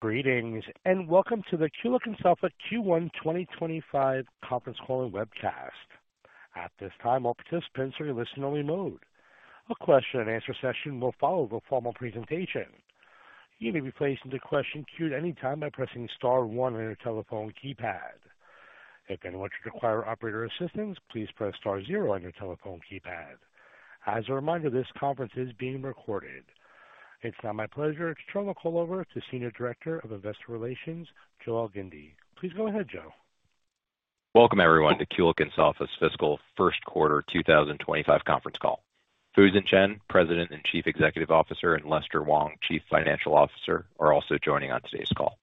Greetings and welcome to the Kulicke & Soffa Q1 2025 Conference Call and Webcast. At this time, all participants are in listen-only mode. A question-and-answer session will follow the formal presentation. You may be placed into question queue at any time by pressing star one on your telephone keypad. If anyone should require operator assistance, please press star zero on your telephone keypad. As a reminder, this conference is being recorded. It's now my pleasure to turn the call over to Senior Director of Investor Relations, Joe Elgindy. Please go ahead, Joe. Welcome, everyone, to Kulicke & Soffa's fiscal Q1 2025 Conference Call. Fusen Chen, President and Chief Executive Officer, and Lester Wong, Chief Financial Officer, are also joining on today's call.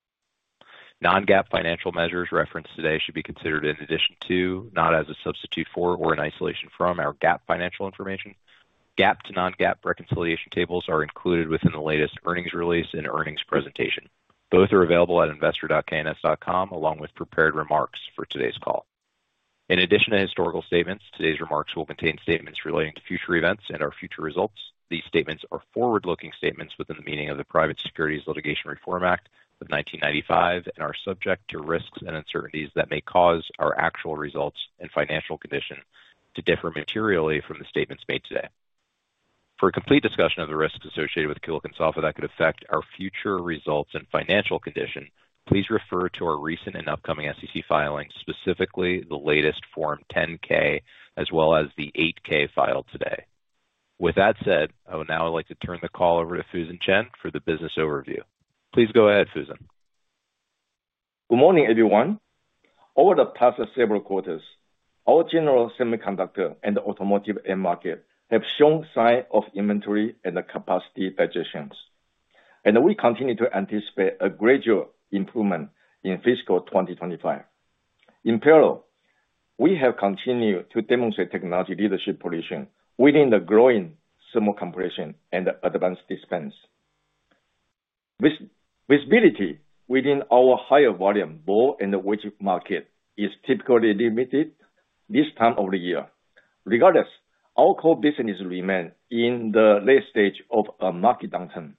Non-GAAP financial measures referenced today should be considered in addition to, not as a substitute for, or in isolation from our GAAP financial information. GAAP to non-GAAP reconciliation tables are included within the latest earnings release and earnings presentation. Both are available at investor.kns.com, along with prepared remarks for today's call. In addition to historical statements, today's remarks will contain statements relating to future events and our future results. These statements are forward-looking statements within the meaning of the Private Securities Litigation Reform Act of 1995 and are subject to risks and uncertainties that may cause our actual results and financial condition to differ materially from the statements made today. For a complete discussion of the risks associated with Kulicke & Soffa that could affect our future results and financial condition, please refer to our recent and upcoming SEC filings, specifically the latest Form 10-K, as well as the 8-K filed today. With that said, I would now like to turn the call over to Fusen Chen for the business overview. Please go ahead, Fusen. Good morning, everyone. Over the past several quarters, our General Semiconductor and Automotive end markets have shown signs of inventory and capacity digestions, and we continue to anticipate a gradual improvement in fiscal 2025. In parallel, we have continued to demonstrate technology leadership position Fluxless Thermo-Compression and Advanced Dispense. Visibility within our higher volume ball and wedge market is typically limited this time of the year. Regardless, our core business remains in the late stage of a market downturn.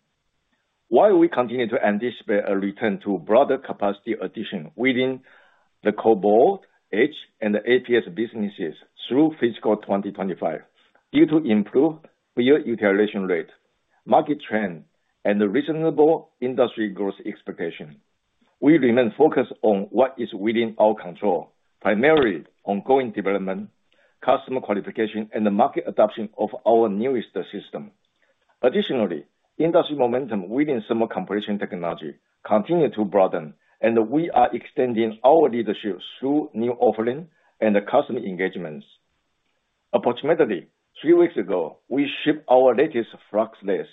While we continue to anticipate a return to broader capacity addition within the core ball, wedge, and the APS businesses through fiscal 2025, due to improved tool utilization rate, market trend, and reasonable industry growth expectation, we remain focused on what is within our control, primarily ongoing development, customer qualification, and the market adoption of our newest system. Additionally, Fluxless Thermo-Compression technology continues to broaden, and we are extending our leadership through new offerings and customer engagements. Approximately three weeks ago, we Fluxless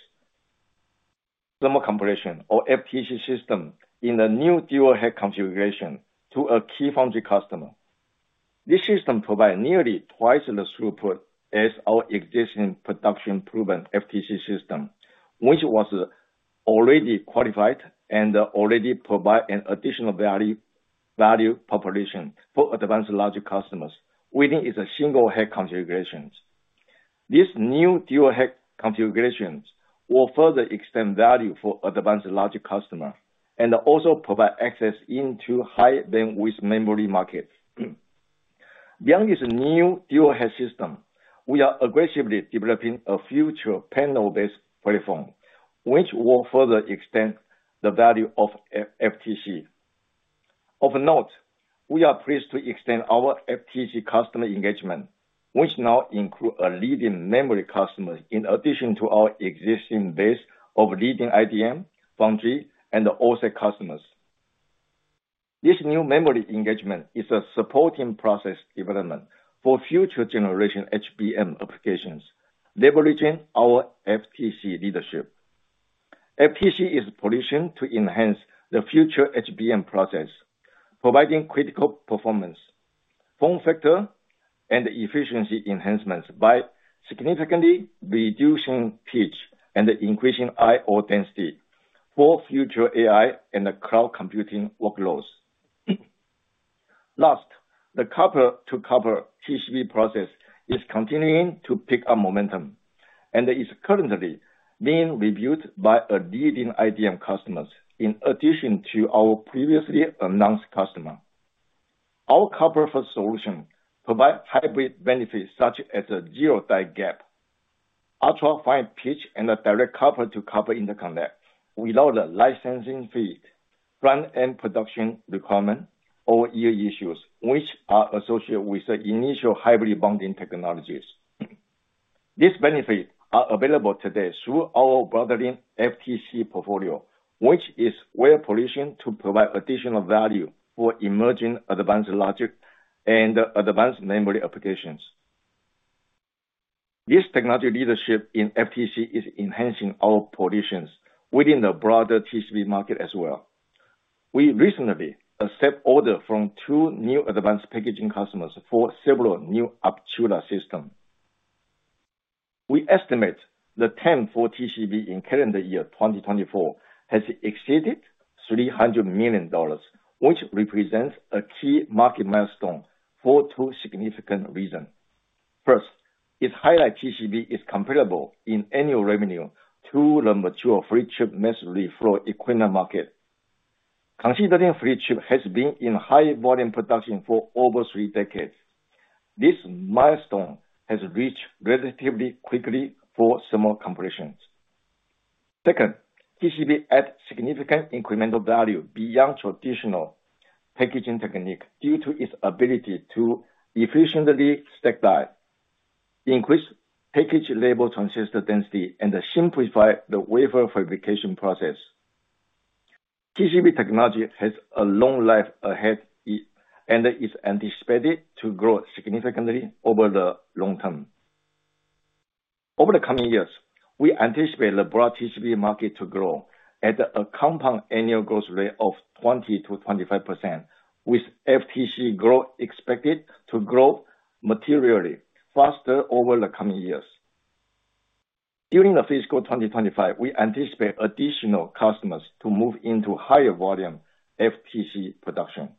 Thermo-Compression, or FTC, system in a new dual head configuration to a key foundry customer. This system provides nearly twice the throughput as our existing production-proven FTC system, which was already qualified and already provides an additional value proposition for advanced logic customers within its single head configurations. These new dual head configurations will further extend value for advanced logic customers and also provide access into high bandwidth memory markets. Beyond this new dual head system, we are aggressively developing a future panel-based platform, which will further extend the value of FTC. Of note, we are pleased to extend our FTC customer engagement, which now includes a leading memory customer in addition to our existing base of leading IDM, foundry, and OSAT customers. This new memory engagement is a supporting process development for future generation HBM applications, leveraging our FTC leadership. FTC is positioned to enhance the future HBM process, providing critical performance, form factor, and efficiency enhancements by significantly reducing pitch and increasing I/O density for future AI and cloud computing workloads. Last, the copper-to-copper TSV process is continuing to pick up momentum and is currently being reviewed by a leading IDM customer in addition to our previously announced customer. Our copper-first solution provides hybrid benefits such as a zero-die gap, ultra-fine pitch, and a direct copper-to-copper interconnect without a licensing fee, front-end production requirement, or Adeia issues, which are associated with the initial hybrid bonding technologies. These benefits are available today through our broader FTC portfolio, which is well-positioned to provide additional value for emerging advanced logic and advanced memory applications. This technology leadership in FTC is enhancing our positions within the broader TCB market as well. We recently accepted orders from two new advanced packaging customers for several new Arctura systems. We estimate the TAM for TCB in calendar year 2024 has exceeded $300 million, which represents a key market milestone for two significant reasons. First, it highlights TCB is comparable in annual revenue to the mature flip chip market for the entire market. Considering flip chip has been in high volume production for over three decades, this milestone has reached relatively quickly for thermocompression. Second, TCB adds significant incremental value beyond traditional packaging techniques due to its ability to efficiently stacked die, increase package-level transistor density, and simplify the wedge bonder TCB technology has a long life ahead and is anticipated to grow significantly over the long term. Over the coming years, we anticipate the broad TCB market to grow at a compound annual growth rate of 20%-25%, with FTC growth expected to grow materially faster over the coming years. During fiscal 2025, we anticipate additional customers to move into higher volume FTC production.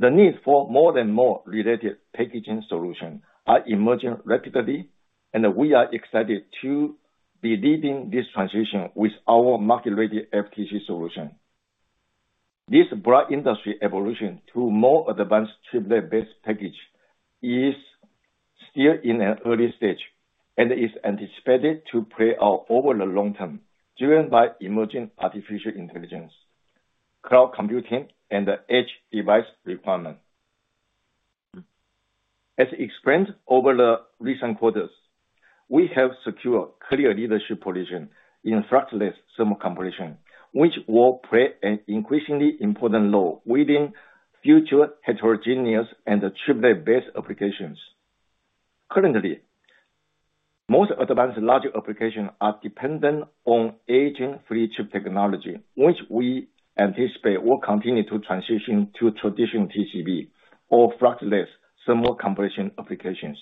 The need for more and more related packaging solutions is emerging rapidly, and we are excited to be leading this transition with our market-leading FTC solution. This broad industry evolution to more advanced chiplet-based package is still in an early stage and is anticipated to play out over the long term driven by emerging artificial intelligence, cloud computing, and the edge device requirement. As explained over the recent quarters, we have secured clear Fluxless Thermo-Compression, which will play an increasingly important role within future heterogeneous and chiplet-based applications. Currently, most advanced logic applications are dependent on aging flip chip technology, which we anticipate will continue to transition toFluxless Thermo-Compression applications.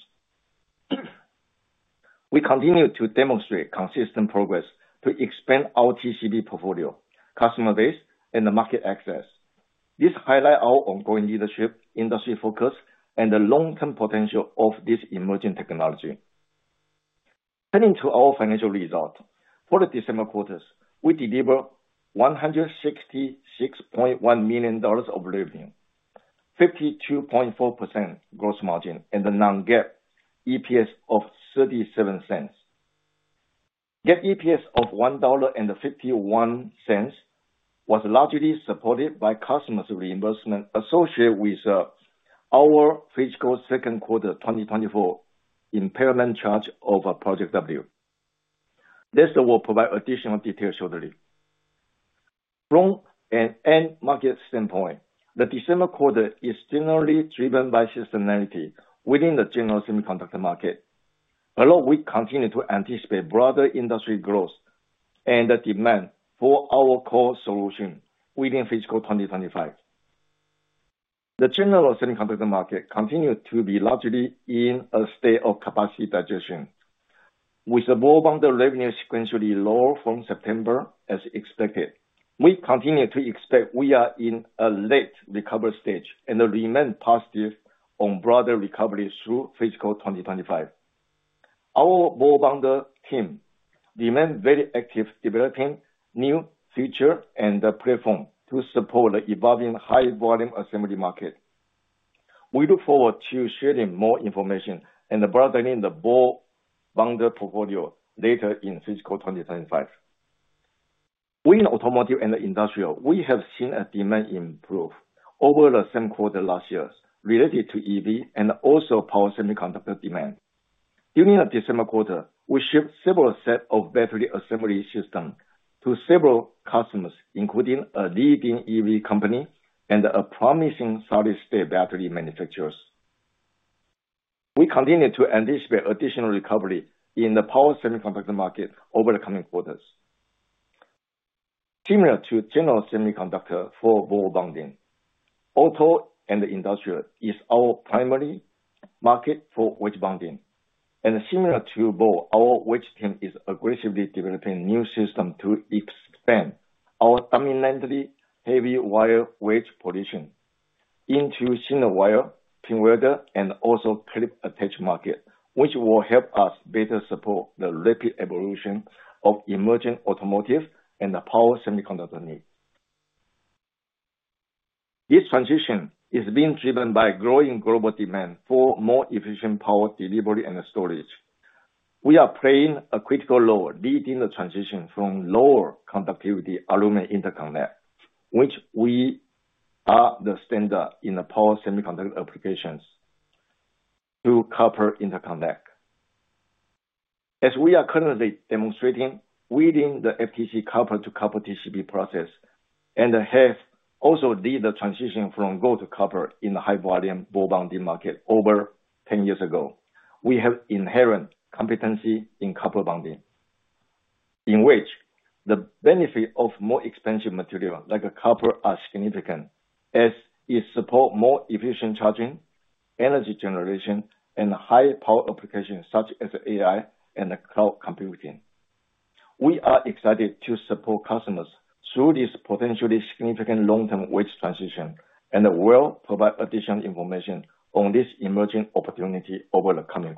we continue to demonstrate consistent progress to expand our TCB portfolio, customer base, and market access. This highlights our ongoing leadership, industry focus, and the long-term potential of this emerging technology. Turning to our financial results, for the December quarters, we deliver $166.1 million of revenue, 52.4% gross margin, and a non-GAAP EPS of $0.37. GAAP EPS of $1.51 was largely supported by customer's reimbursement associated with our fiscal Q2 2024 impairment charge of Project W. Lester will provide additional details shortly. From an end market standpoint, the December quarter is generally driven by seasonality within the General Semiconductor market, although we continue to anticipate broader industry growth and demand for our core solution within fiscal 2025. The General Semiconductor market continues to be largely in a state of capacity digestion, with the ball bonding revenue sequentially lower from September, as expected. We continue to expect we are in a late recovery stage and remain positive on broader recovery through fiscal 2025. Our ball bonding team remains very active developing new features and platforms to support the evolving high-volume assembly market. We look forward to sharing more information and broadening the ball bonding portfolio later in fiscal 2025. Within automotive and Industrial, we have seen a demand improvement over the same quarter last year related to EV and also power semiconductor demand. During the December quarter, we shipped several sets of battery assembly systems to several customers, including a leading EV company and a promising solid-state battery manufacturer. We continue to anticipate additional recovery in the power semiconductor market over the coming quarters. Similar to General Semiconductor for ball bonding, auto and Industrial is our primary market for wedge bonding. And similar to ball, our wedge team is aggressively developing new systems to expand our dominant heavy wire wedge position into single wire, in Welder, also clip attach market, which will help us better support the rapid evolution of emerging automotive and power semiconductor needs. This transition is being driven by growing global demand for more efficient power delivery and storage. We are playing a critical role leading the transition from lower conductivity aluminum interconnect, which we are the standard in the power semiconductor applications, to copper interconnect. As we are currently demonstrating within the FTC copper-to-copper TCB process and have also led the transition from gold to copper in the high-volume ball bonding market over 10 years ago, we have inherent competency in copper bonding, in which the benefit of more expensive materials like copper are significant, as it supports more efficient charging, energy generation, and high-power applications such as AI and cloud computing. We are excited to support customers through this potentially significant long-term wedge transition and will provide additional information on this emerging opportunity over the coming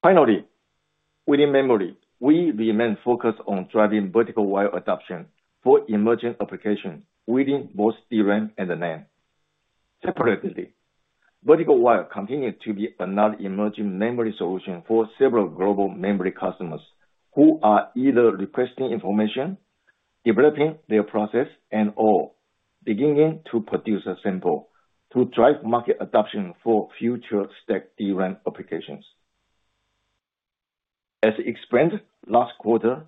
quarters. Finally, within memory, we remain focused on driving vertical wire adoption for emerging applications within both DRAM and NAND. Separately, vertical wire continues to be another emerging memory solution for several global memory customers who are either requesting information, developing their process, and/or beginning to produce a sample to drive market adoption for future stacked DRAM applications. As explained last quarter,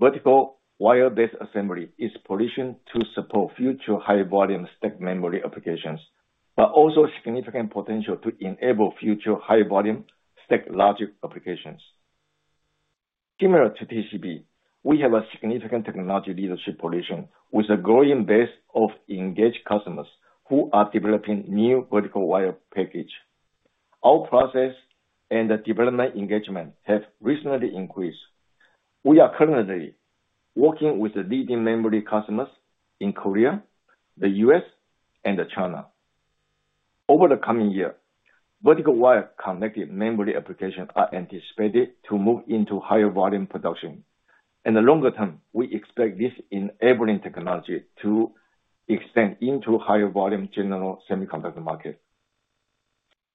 vertical wire-based assembly is positioned to support future high-volume stack memory applications, but also significant potential to enable future high-volume stack logic applications. Similar to TCB, we have a significant technology leadership position with a growing base of engaged customers who are developing new vertical wire package. Our process and development engagement have recently increased. We are currently working with leading memory customers in Korea, the US, and China. Over the coming year, vertical wire connected memory applications are anticipated to move into higher volume production. In the longer term, we expect this enabling technology to extend into higher volume General Semiconductor market.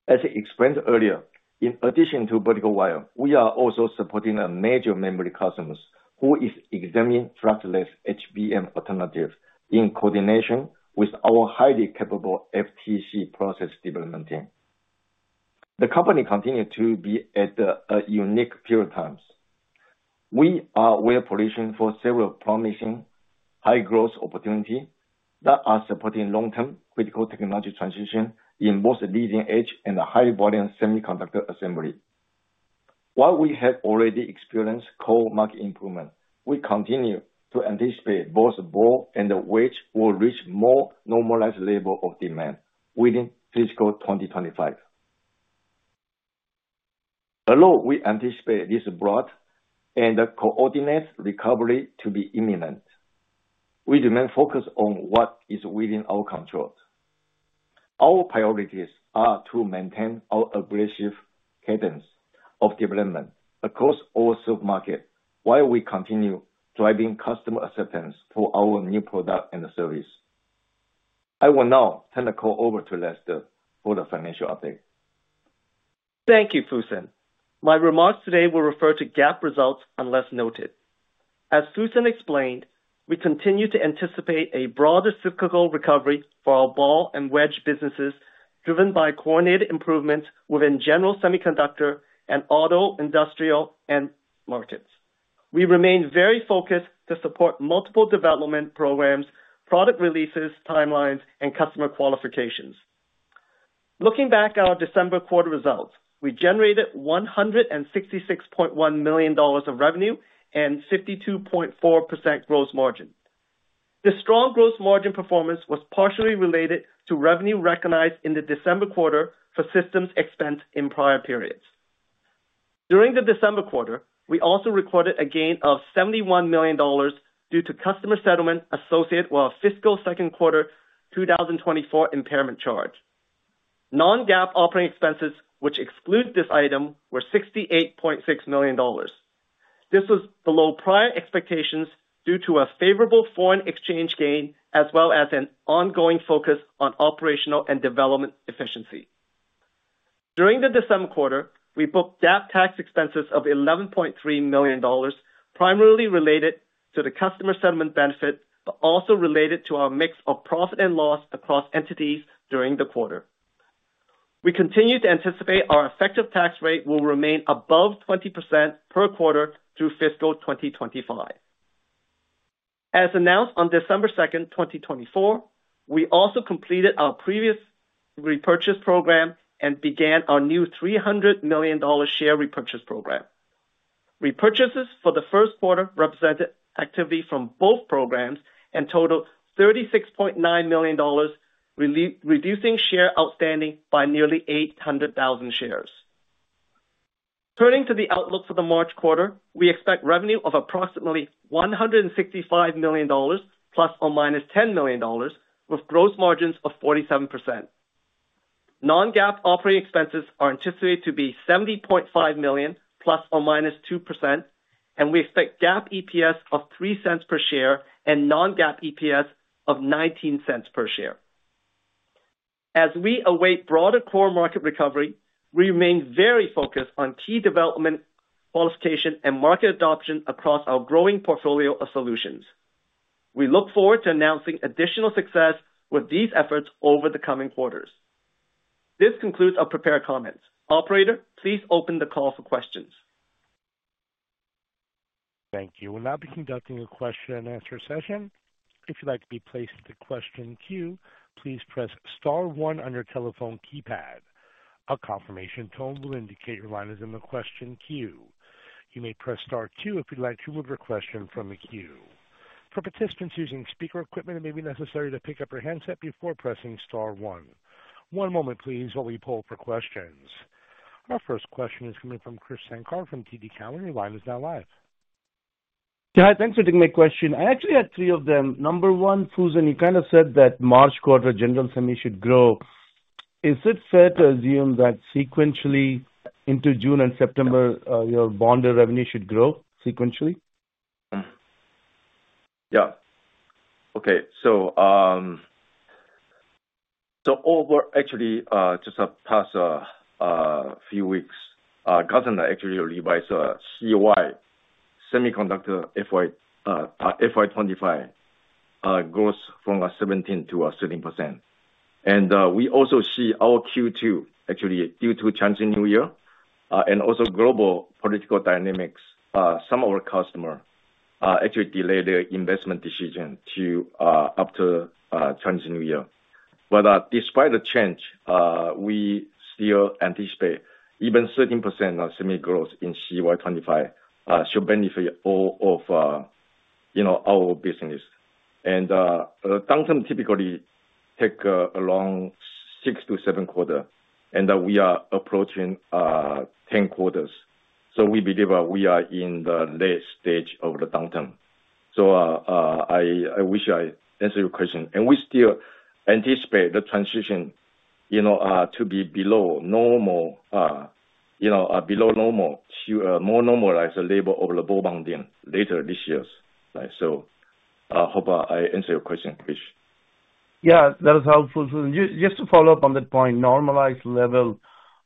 As explained earlier, in addition to vertical wire, we are also supporting a major memory customer who is examining fluxless HBM alternatives in coordination with our highly capable FTC process development team. The company continues to be at a unique period of time. We are well-positioned for several promising high-growth opportunities that are supporting long-term critical technology transition in both leading-edge and high-volume semiconductor assembly. While we have already experienced core market improvement, we continue to anticipate both ball and wedge will reach more normalized levels of demand within fiscal 2025. Although we anticipate this broad and coordinated recovery to be imminent, we remain focused on what is within our control. Our priorities are to maintain our aggressive cadence of development across our sub-market while we continue driving customer acceptance for our new product and service. I will now turn the call over to Lester for the financial update. Thank you, Fusen. My remarks today will refer to GAAP results unless noted. As Fusen explained, we continue to anticipate a broader cyclical recovery for our ball and wedge businesses driven by coordinated improvements within General Semiconductor and auto, Industrial end markets. We remain very focused to support multiple development programs, product releases, timelines, and customer qualifications. Looking back at our December quarter results, we generated $166.1 million of revenue and 52.4% gross margin. The strong gross margin performance was partially related to revenue recognized in the December quarter for systems expense in prior periods. During the December quarter, we also recorded a gain of $71 million due to customer settlement associated with our fiscal Q2 2024 impairment charge. Non-GAAP operating expenses, which exclude this item, were $68.6 million. This was below prior expectations due to a favorable foreign exchange gain as well as an ongoing focus on operational and development efficiency. During the December quarter, we booked GAAP tax expenses of $11.3 million, primarily related to the customer settlement benefit, but also related to our mix of profit and loss across entities during the quarter. We continue to anticipate our effective tax rate will remain above 20% per quarter through fiscal 2025. As announced on December 2, 2024, we also completed our previous repurchase program and began our new $300 million share repurchase program. Repurchases for the Q1 represented activity from both programs and totaled $36.9 million, reducing share outstanding by nearly 800,000 shares. Turning to the outlook for the March quarter, we expect revenue of approximately $165 million, $10 million, with gross margins of 47%. Non-GAAP operating expenses are anticipated to be $70.5 million, plus or minus 2%, and we expect GAAP EPS of $0.03 per share and non-GAAP EPS of $0.19 per share. As we await broader core market recovery, we remain very focused on key development qualification and market adoption across our growing portfolio of solutions. We look forward to announcing additional success with these efforts over the coming quarters. This concludes our prepared comments. Operator, please open the call for questions. Thank you. We'll now be conducting a question-and-answer session. If you'd like to be placed in the question queue, please press Star 1 on your telephone keypad. A confirmation tone will indicate your line is in the question queue. You may press Star 2 if you'd like to move your question from the queue. For participants using speaker equipment, it may be necessary to pick up your handset before pressing Star 1. One moment, please, while we pull up our questions. Our first question is coming from Krish Sankar from TD Cowen. Your line is now live. Joe, thanks for taking my question. I actually had three of them. Number one, Fusen, you kind of said that March quarter general semi should grow. Is it fair to assume that sequentially into June and September, your bonding revenue should grow sequentially? Yeah. Okay. So over actually just the past few weeks, Gartner actually revised CY semiconductor FY25 growth from 17% to 13%. And we also see our Q2 actually due to Chinese New Year and also global political dynamics, some of our customers actually delayed their investment decision to after Chinese New Year. But despite the change, we still anticipate even 13% of semi growth in CY25 should benefit all of our business. And the downturn typically takes around six to seven quarters, and we are approaching 10 quarters. So we believe we are in the late stage of the downturn. So I wish I answered your question. And we still anticipate the transition to be below normal, below normal, more normalized level of the ball bonding later this year.I hope I answered your question, Fusen. Yeah, that was helpful. Just to follow up on that point, normalized level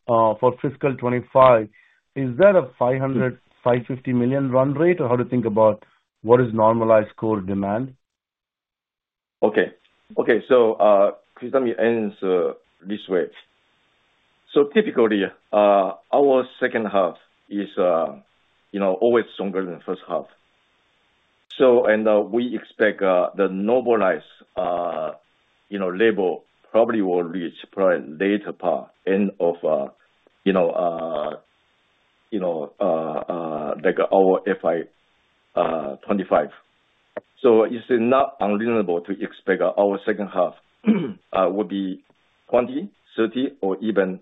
for fiscal 25, is that a $550 million run rate, or how do you think about what is normalized core demand? Okay. Okay. Let me answer this way. Typically, our second half is always stronger than the first half. We expect the normalized level probably will reach probably later part, end of our FY25. It's not unreasonable to expect our second half will be 20%-30% or even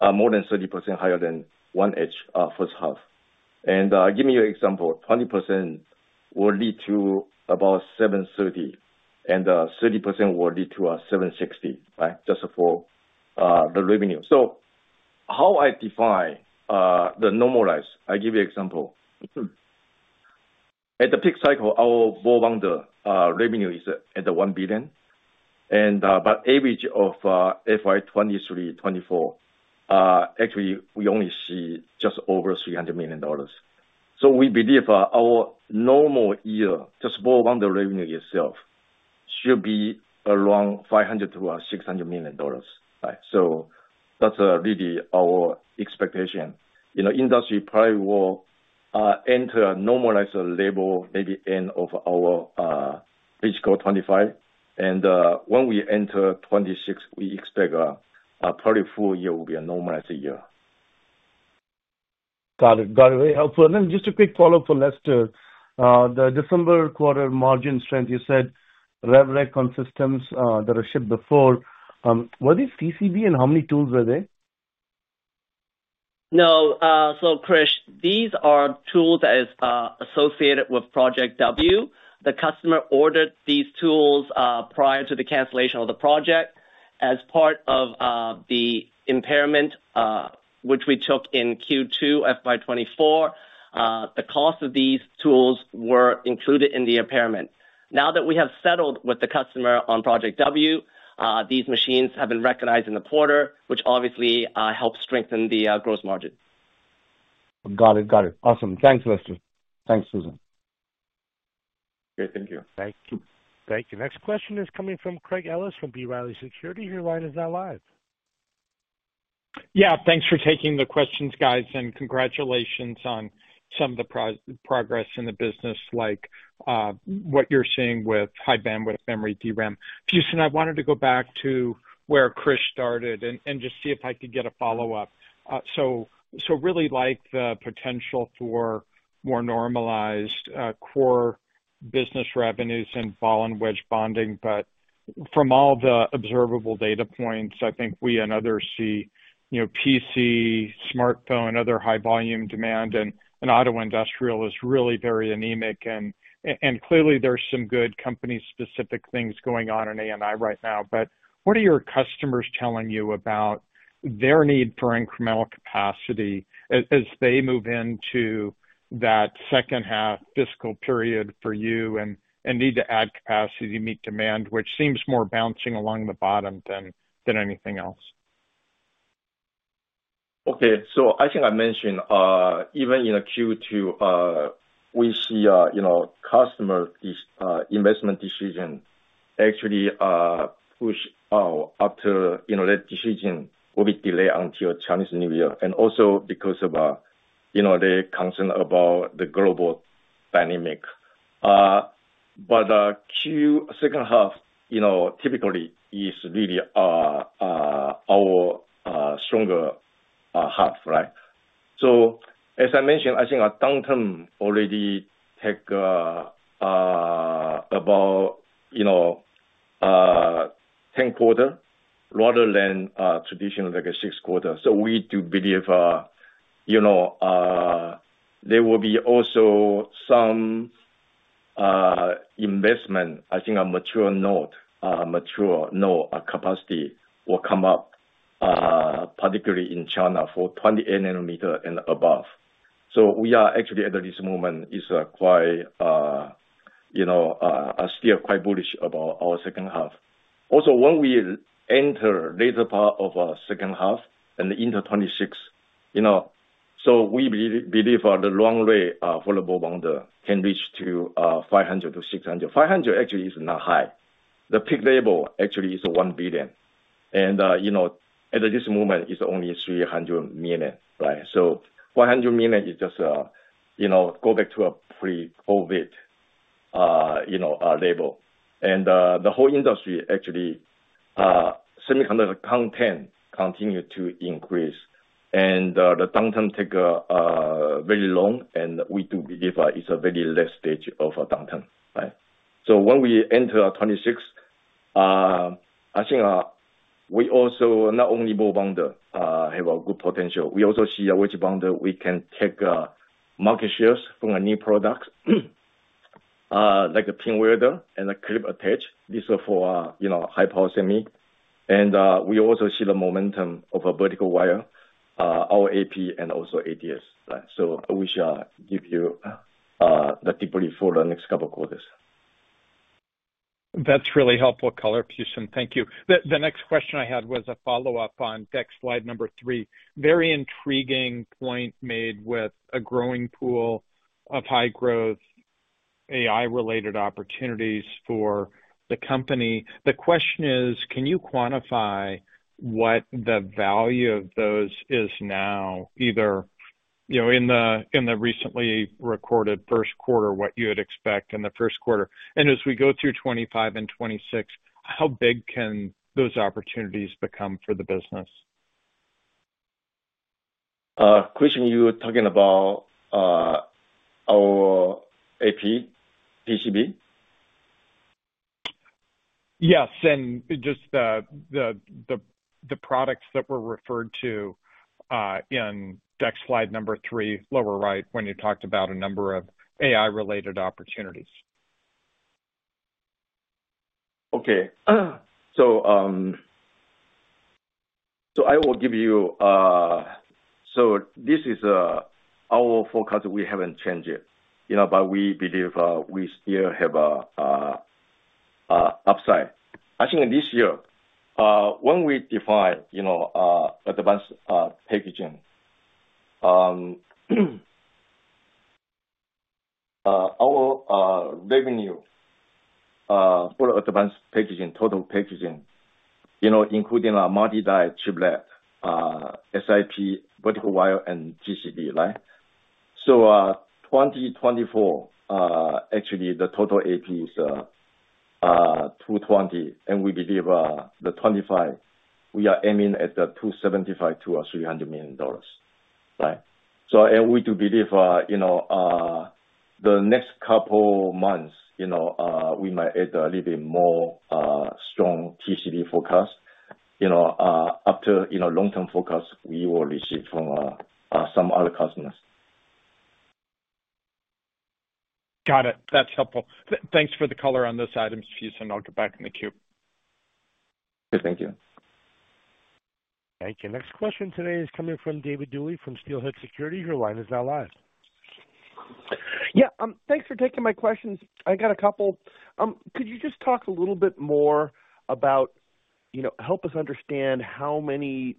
more than 30% higher than our first half. Give me an example. 20% will lead to about $730 million, and 30% will lead to $760 million, right, just for the revenue. How I define the normalized, I'll give you an example. At the peak cycle, our ball bonding revenue is at $1 billion. By average of FY 2023, 2024, actually, we only see just over $300 million. So we believe our normal year, just ball bonding revenue itself, should be around $500-600 million. So that's really our expectation. Industry probably will enter a normalized level, maybe end of our fiscal 2025. And when we enter 2026, we expect probably full year will be a normalized year. Got it. Got it. Very helpful. And then just a quick follow-up for Lester. The December quarter margin strength, you said revenue recognition consistency that I shipped before. Were these TCB, and how many tools were they? No. So Krish, these are tools that are associated with Project W. The customer ordered these tools prior to the cancellation of the project as part of the impairment, which we took in Q2 FY 2024. The cost of these tools were included in the impairment. Now that we have settled with the customer on Project W, these machines have been recognized in the quarter, which obviously helps strengthen the gross margin. Got it. Got it. Awesome. Thanks, Lester. Thanks, Fusen. Great. Thank you. Thank you. Thank you. Next question is coming from Craig Ellis from B. Riley Securities. Your line is now live. Yeah. Thanks for taking the questions, guys. And congratulations on some of the progress in the business, like what you're seeing with high bandwidth memory DRAM. Fusen, I wanted to go back to where Krish started and just see if I could get a follow-up. So really like the potential for more normalized core business revenues and ball and wedge bonding. But from all the observable data points, I think we and others see PC, smartphone, other high-volume demand, and auto Industrial is really very anemic. Clearly, there's some good company-specific things going on in AP right now. What are your customers telling you about their need for incremental capacity as they move into that second half fiscal period for you and need to add capacity to meet demand, which seems more bouncing along the bottom than anything else? Okay. I think I mentioned even in Q2, we see customer investment decision actually pushed out after that decision will be delayed until Chinese New Year. Also because of their concern about the global dynamics. Q2, second half, typically is really our stronger half, right? As I mentioned, I think our downturn already takes about 10 quarters rather than traditional like a six quarters. We do believe there will be also some investment. I think a mature node, mature node capacity will come up, particularly in China for 28 nanometers and above. We are actually at this moment still quite bullish about our second half. Also, when we enter later part of our second half and into 2026, we believe the long wave for the ball bonding can reach to 500 to 600. 500 actually is not high. The peak level actually is 1 billion. And at this moment, it's only 300 million, right? So 500 million is just go back to a pre-COVID level. And the whole industry actually, semiconductor content continues to increase. And the downturn takes very long. And we do believe it's a very late stage of downturn, right? So when we enter 2026, I think we also not only ball bonder have a good potential. We also see a wedge bonder we can take market shares from a new product like a Pin Welder and clip attach. this is for high-power semi. And we also see the momentum of a vertical wire, our APS and also ATS, right? So I wish I give you the debrief for the next couple of quarters. That's really helpful color, Fusen. Thank you. The next question I had was a follow-up on deck slide number three. Very intriguing point made with a growing pool of high-growth AI-related opportunities for the company. The question is, can you quantify what the value of those is now, either in the recently recorded Q1, what you would expect in the Q1?And as we go through 2025 and 2026, how big can those opportunities become for the business? Craig, you were talking about our AP, TCB? Yes. And just the products that were referred to in deck slide number three, lower right, when you talked about a number of AI-related opportunities. Okay. So I will give you so this is our forecast. We haven't changed it. But we believe we still have upside. I think this year, when we define advanced packaging, our revenue for advanced packaging, total packaging, including multi-die chiplet, SiP, vertical wire, and TCB, right? So 2024, actually, the total AP is $220 million. And we believe 2025, we are aiming at $275 -300 million, right? And we do believe the next couple months, we might add a little bit more strong TCB forecast. After long-term forecast, we will receive from some other customers. Got it. That's helpful. Thanks for the color on those items, Fusen. I'll get back in the queue. Okay. Thank you. Thank you. Next question today is coming from David Duley from Steelhead Securities. Your line is now live. Yeah. Thanks for taking my questions. I got a couple. Could you just talk a little bit more about help us understand how many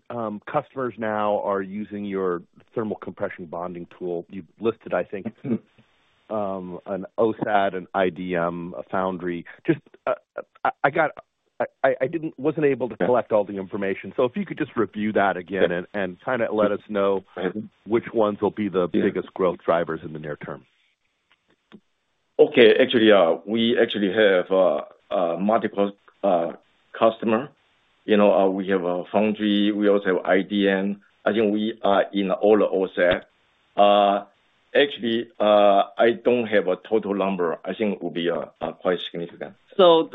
customers now are using your thermocompression bonding tool? You've listed, I think, an OSAT, an IDM, a foundry. I wasn't able to collect all the information. So if you could just review that again and kind of let us know which ones will be the biggest growth drivers in the near term. Okay. Actually, we actually have multiple customers. We have a foundry. We also have IDM. I think we are in all of OSAT. Actually, I don't have a total number.I think it will be quite significant, so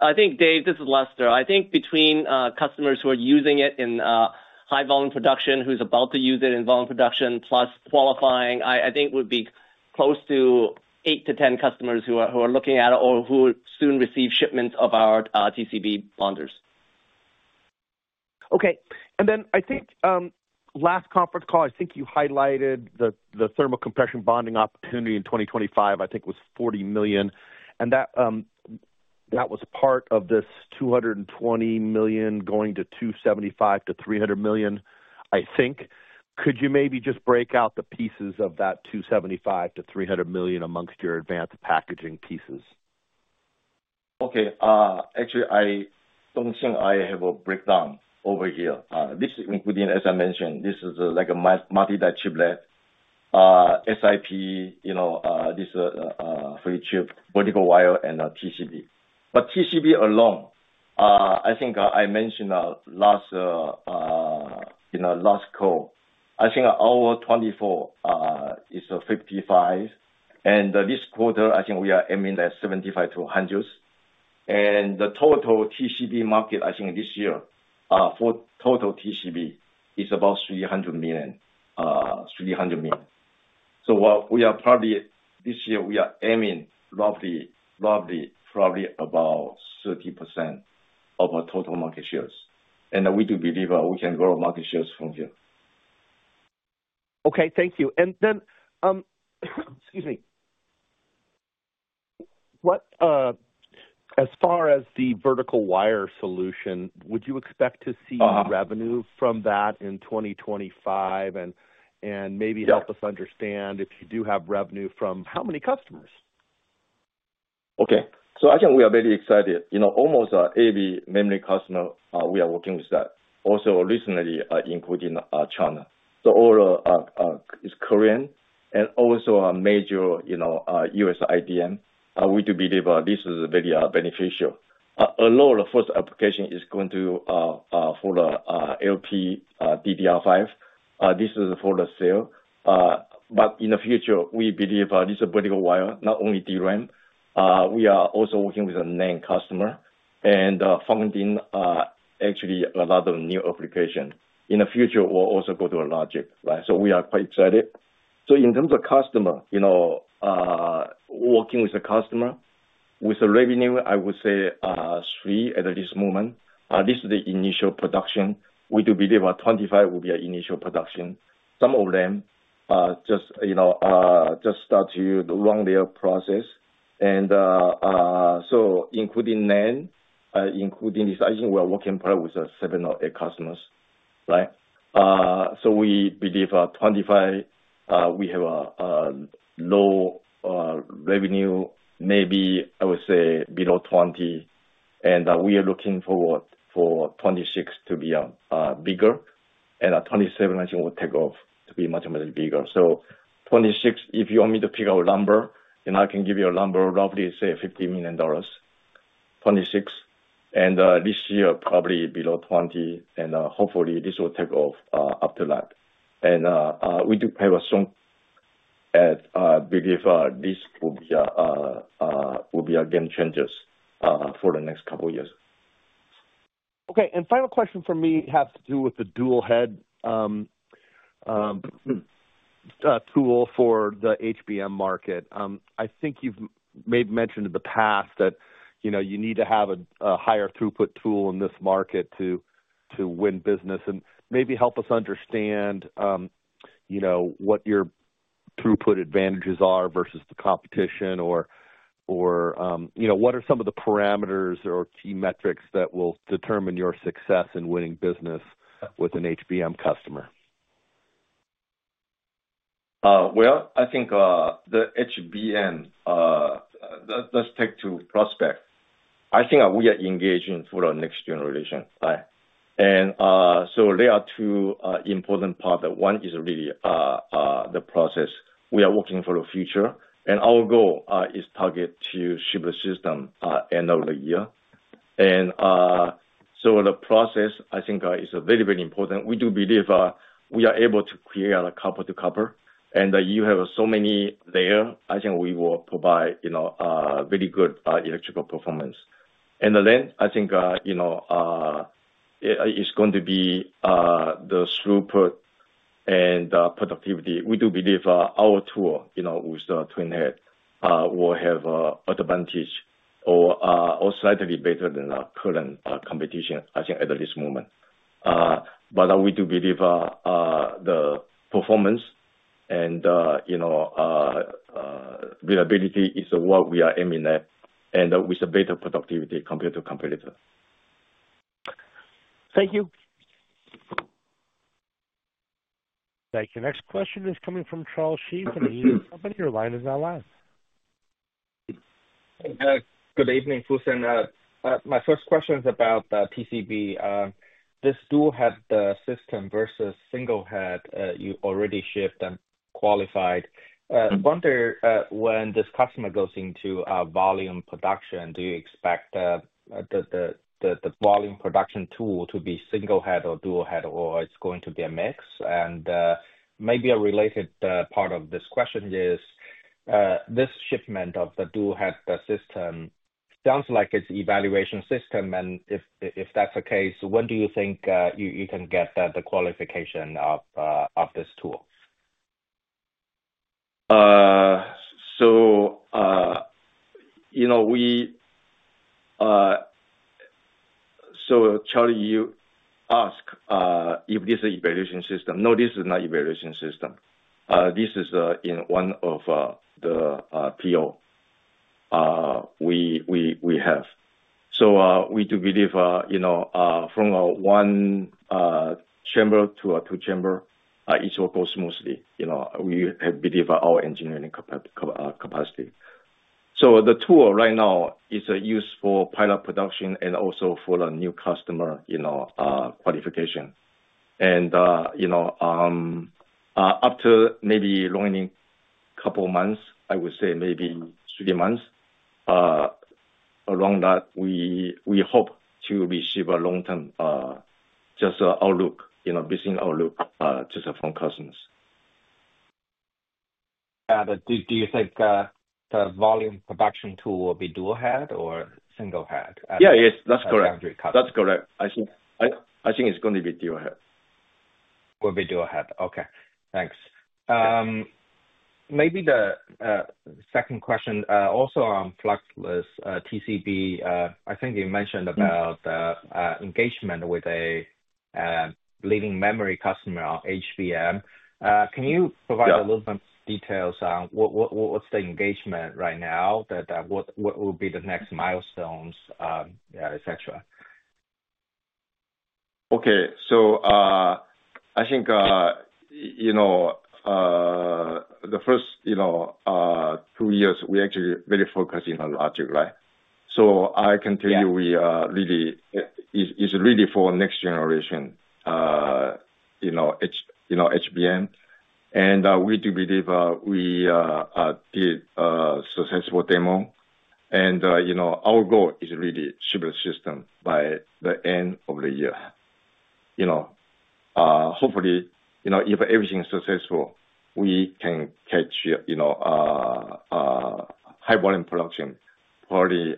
I think, Dave, this is Lester. I think between customers who are using it in high-volume production, who's about to use it in volume production, plus qualifying, I think would be close to 8 to 10 customers who are looking at it or who soon receive shipments of our TCB bonders. Okay, and then I think last conference call, I think you highlighted the thermocompression bonding opportunity in 2025, I think was $40 million. And that was part of this $220 million going to $275-300 million, I think. Could you maybe just break out the pieces of that $275-300 million amongst your advanced packaging pieces? Okay. Actually, I don't think I have a breakdown over here. This including, as I mentioned, this is like a multi-die chiplet, SiP, this is a flip chip, vertical wire, and TCB.But TCB alone, I think I mentioned last call. I think our 2024 is $55 million. And this quarter, I think we are aiming at $75-100 million. And the total TCB market, I think this year, for total TCB is about $300 million. $300 million. So we are probably this year. We are aiming roughly probably about 30% of our total market share. And we do believe we can grow market share from here. Okay. Thank you. And then, excuse me. As far as the vertical wire solution, would you expect to see revenue from that in 2025? And maybe help us understand if you do have revenue from how many customers? Okay. So I think we are very excited. Almost every memory customer, we are working with that. Also recently, including China. So all Korean and also a major U.S. IDM.We do believe this is very beneficial. A lot of the first application is going to for the LPDDR5. This is for the sale, but in the future, we believe this is a vertical wire, not only DRAM. We are also working with a NAND customer and funding actually a lot of new applications. In the future, we'll also go to a logic, right, so we are quite excited, so in terms of customer, working with a customer, with the revenue, I would say three at this moment. At least the initial production, we do believe 2025 will be our initial production. Some of them just start to run their process, and so including NAND, including this, I think we are working probably with seven or eight customers, right, so we believe 2025, we have a low revenue, maybe I would say below 20. And we are looking forward for 2026 to be bigger. And 2027, I think will take off to be much, much bigger. So 2026, if you want me to pick out a number, and I can give you a number, roughly say $50 million. 2026. And this year, probably below $20 million. And hopefully, this will take off after that. And we do have a strong. And I believe this will be a game changer for the next couple of years. Okay. And final question for me has to do with the dual head tool for the HBM market. I think you've maybe mentioned in the past that you need to have a higher throughput tool in this market to win business. And maybe help us understand what your throughput advantages are versus the competition, or what are some of the parameters or key metrics that will determine your success in winning business with an HBM customer? Well, I think the HBM. Let's take two aspects. I think we are engaging for the next generation, right? And so there are two important parts. One is really the process. We are working for the future. And our goal is targeted to ship the system end of the year. And so the process, I think, is very, very important. We do believe we are able to create a copper-to-copper. And you have so many there, I think we will provide very good electrical performance. And then, I think it's going to be the throughput and productivity. We do believe our tool with the twin head will have an advantage or slightly better than the current competition, I think, at this moment. But we do believe the performance and reliability is what we are aiming at, and with a better productivity compared to competitor. Thank you. Thank you. Next question is coming from Charles Shi. And Needham & Company. Your line is now live. Good evening, Fusen. My first question is about the TCB. This dual head system versus single head, you already shipped and qualified. I wonder when this customer goes into volume production, do you expect the volume production tool to be single head or dual head, or it's going to be a mix? And maybe a related part of this question is this shipment of the dual head system. Sounds like it's evaluation system. And if that's the case, when do you think you can get the qualification of this tool? So Charlie, you asked if this is an evaluation system. No, this is not an evaluation system. This is in one of the PO we have. So we do believe from one chamber to a two chamber, it will go smoothly. We believe our engineering capacity. So the tool right now is used for pilot production and also for the new customer qualification. And after maybe running a couple of months, I would say maybe three months, along that, we hope to receive a long-term just outlook, business outlook just from customers. Yeah. Do you think the volume production tool will be dual head or single head? Yeah, yes. That's correct. That's correct. I think it's going to be dual head. Will be dual head. Okay. Thanks. Maybe the second question also on Fluxless TCB. I think you mentioned about the engagement with a leading memory customer on HBM. Can you provide a little bit of details on what's the engagement right now? What will be the next milestones, etc.? Okay. So I think the first two years, we actually are very focused on Logic, right? So I can tell you we are really. It's really for next generation HBM. And we do believe we did a successful demo. And our goal is really ship the system by the end of the year. Hopefully, if everything is successful, we can catch high-volume production probably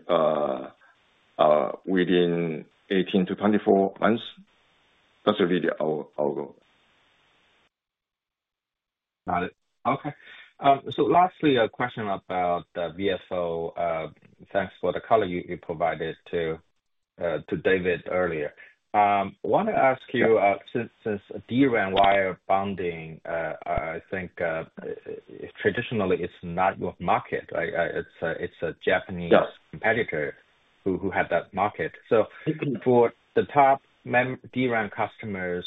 within 18-24 months. That's really our goal. Got it. Okay. So lastly, a question about the VWB. Thanks for the color you provided to David earlier.I want to ask you, since DRAM wire bonding, I think traditionally it's not your market. It's a Japanese competitor who had that market. So for the top DRAM customers,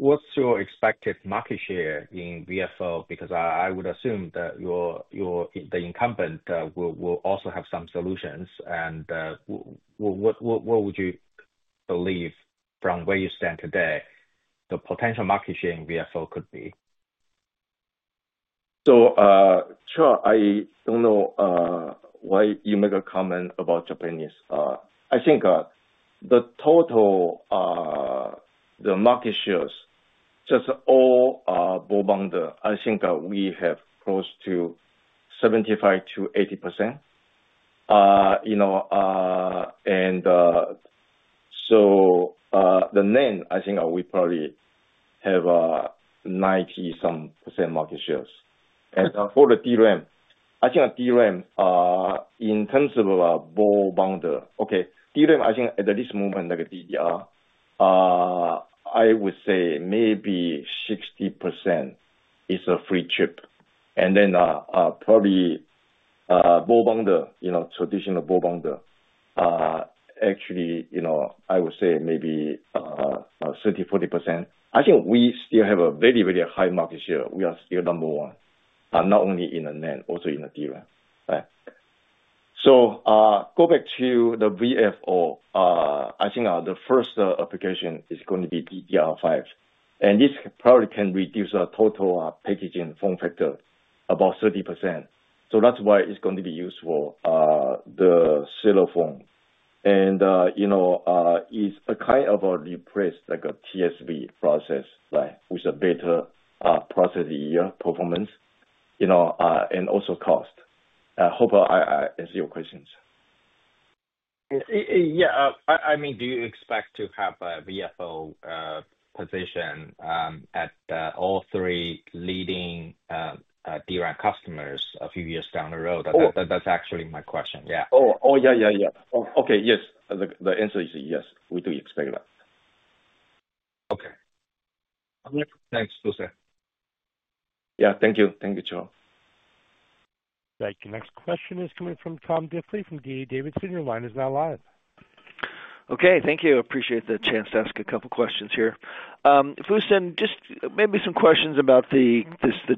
what's your expected market share in VWB? Because I would assume that the incumbent will also have some solutions. And what would you believe from where you stand today, the potential market share in VWB could be? So sure, I don't know why you make a comment about Japanese. I think the total market shares, just all ball bonding, I think we have close to 75%-80%. And so the NAND, I think we probably have 90-some% market shares. And for the DRAM, I think DRAM in terms of ball bonding, okay, DRAM, I think at this moment, like a DDR, I would say maybe 60% is a flip chip. Then probably ball bonding, traditional ball bonding. Actually, I would say maybe 30%-40%. I think we still have a very, very high market share. We are still number one, not only in the NAND, also in the DRAM, right? So go back to the VWB. I think the first application is going to be DDR5. And this probably can reduce total packaging form factor about 30%.So that's why it's going to be used for the cell phone. And it's kind of a replacement like a TSV process, right, with a better process yield performance and also cost. I hope I answered your questions. Yeah. I mean, do you expect to have a VWB position at all three leading DRAM customers a few years down the road? That's actually my question. Yeah. Oh, yeah, yeah, yeah. Okay. Yes. The answer is yes. We do expect that. Okay. Thanks, Fusen. Yeah. Thank you. Thank you, Joe. Thank you. Next question is coming from Tom Diffely from D.A. Davidson. Your line is now live. Okay. Thank you. Appreciate the chance to ask a couple of questions here. Fusen, just maybe some questions about the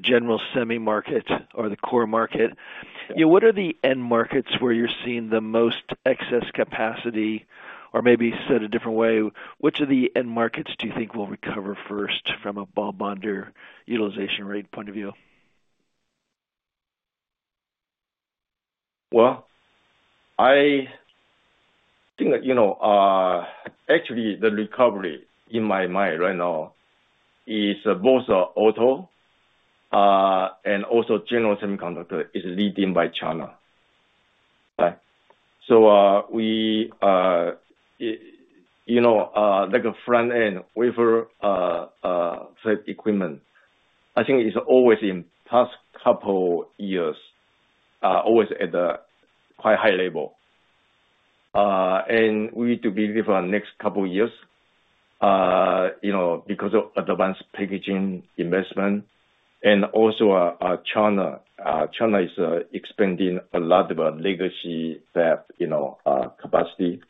general semi market or the core market. What are the end markets where you're seeing the most excess capacity? Or maybe said a different way, which of the end markets do you think will recover first from a ball bonder utilization rate point of view? Well, I think that actually the recovery in my mind right now is both auto and also General Semiconductor is leading by China, right? So like a front-end wafer-type equipment, I think it's always in past couple years, always at a quite high level. And we do believe for the next couple of years because of advanced packaging investment. Also, China is expanding a lot of legacy-type capacity.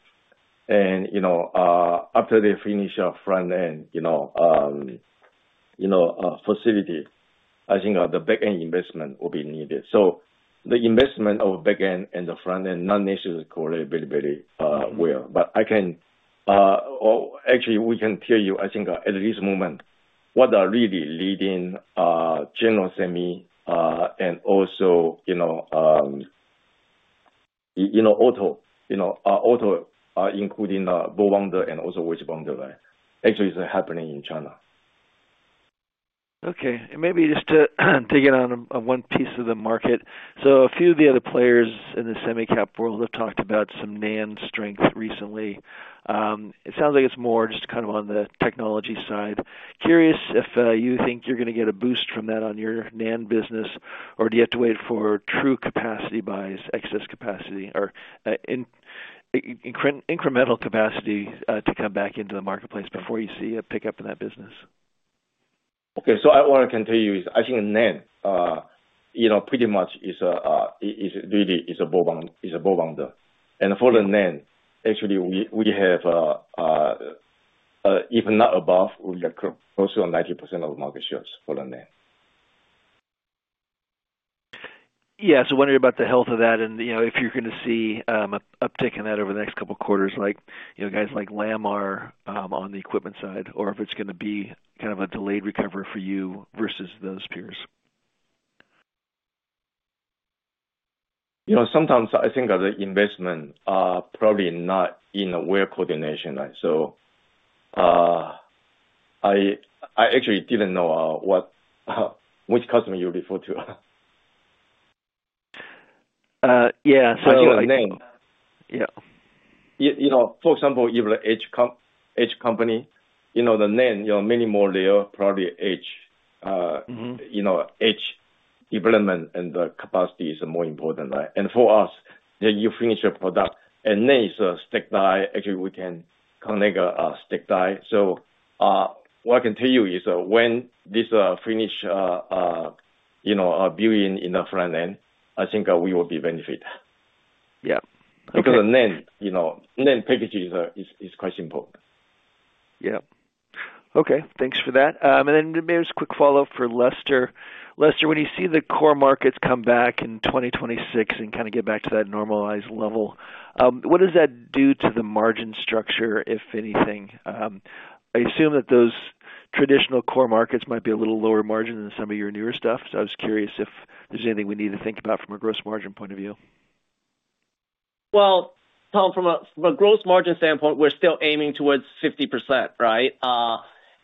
After they finish front-end facility, I think the back-end investment will be needed. The investment of back-end and the front-end do correlate very, very well. Actually, we can tell you, I think at this moment, what are really leading general semi and also auto, including ball bonder and also wedge bonder, right, actually is happening in China. Okay. Maybe just to dig in on one piece of the market. A few of the other players in the semicap world have talked about some NAND strength recently. It sounds like it's more just kind of on the technology side. Curious if you think you're going to get a boost from that on your NAND business, or do you have to wait for true capacity buys, excess capacity, or incremental capacity to come back into the marketplace before you see a pickup in that business? Okay. So what I can tell you is I think NAND pretty much really is a ball bonder. And for the NAND, actually, we have if not above, we are close to 90% of the market shares for the NAND. Yeah. So wondering about the health of that and if you're going to see an uptick in that over the next couple of quarters, like guys like Lam on the equipment side, or if it's going to be kind of a delayed recovery for you versus those peers. Sometimes I think the investment are probably not in a way of coordination, right? So I actually didn't know which customer you refer to. Yeah. So I think the NAND, yeah. For example, if the H Company, the NAND, many more layer, probably H development and the capacity is more important, right? And for us, you finish a product, and then it's a stacked die. Actually, we can connect a stacked die. So what I can tell you is when this finish building in the front-end, I think we will be benefited. Because the NAND package is quite simple. Yep. Okay. Thanks for that, and then maybe just a quick follow-up for Lester. Lester, when you see the core markets come back in 2026 and kind of get back to that normalized level, what does that do to the margin structure, if anything? I assume that those traditional core markets might be a little lower margin than some of your newer stuff. So I was curious if there's anything we need to think about from a gross margin point of view. Well, Tom, from a gross margin standpoint, we're still aiming towards 50%, right?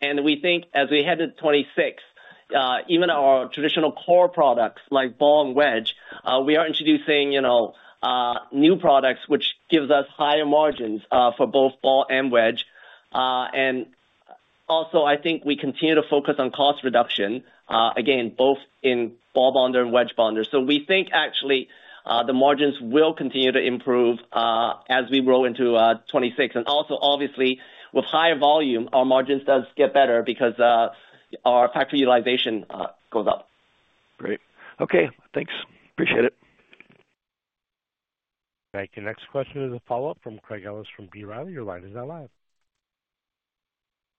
And we think as we head into 2026, even our traditional core products like ball and wedge, we are introducing new products, which gives us higher margins for both ball and wedge. And also, I think we continue to focus on cost reduction, again, both in ball bonder and wedge bonder. So we think actually the margins will continue to improve as we roll into 2026. And also, obviously, with higher volume, our margins do get better because our factory utilization goes up. Great. Okay. Thanks. Appreciate it. Thank you. Next question is a follow-up from Craig Ellis from B. Riley. Your line is now live.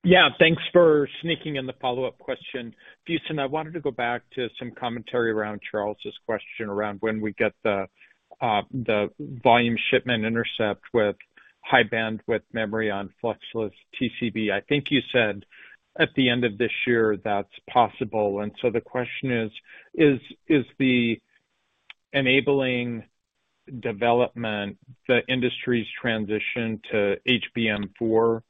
Yeah. Thanks for sneaking in the follow-up question. Fusen, I wanted to go back to some commentary around Charles' question around when we get the volume shipment intercept with high bandwidth memory on Fluxless TCB. I think you said at the end of this year that's possible. And so the question is, is the enabling development, the industry's transition to HBM4,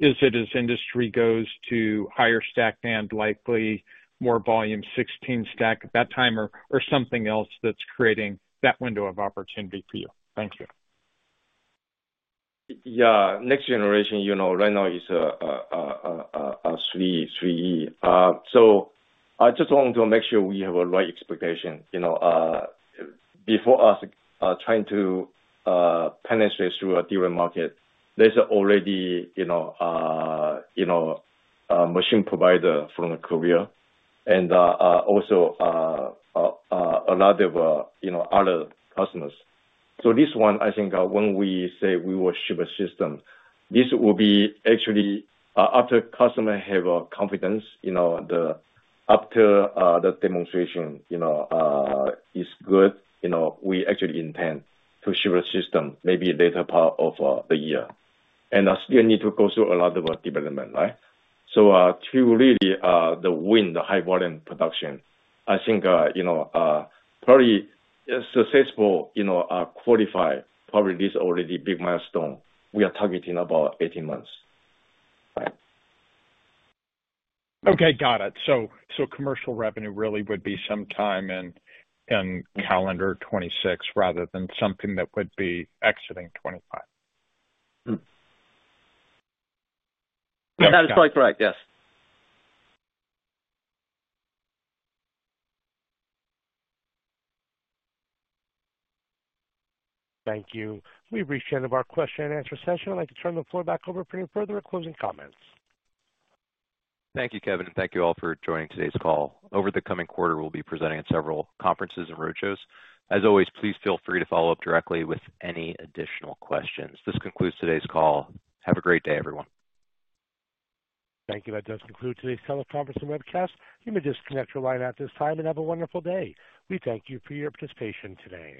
is it as industry goes to higher stack and likely more volume 16 stack at that time, or something else that's creating that window of opportunity for you? Thank you. Yeah. Next generation right now is a HBM3E. So I just want to make sure we have a right expectation. Before us trying to penetrate through a DRAM market, there's already a machine provider from Korea, and also a lot of other customers. So this one, I think when we say we will ship a system, this will be actually after customer have confidence after the demonstration is good. We actually intend to ship a system maybe later part of the year. And I still need to go through a lot of development, right? So to really win the high-volume production, I think probably successful qualified probably this already big milestone, we are targeting about 18 months, right? Okay. Got it. So commercial revenue really would be sometime in calendar 2026 rather than something that would be exiting 2025. That is quite correct. Yes. Thank you. We've reached the end of our question and answer session. I'd like to turn the floor back over for any further closing comments. Thank you, Kevin. Thank you all for joining today's call. Over the coming quarter, we'll be presenting at several conferences and roadshows. As always, please feel free to follow up directly with any additional questions. This concludes today's call. Have a great day, everyone. Thank you. That does conclude today's teleconference and webcast. You may disconnect your line at this time and have a wonderful day. We thank you for your participation today.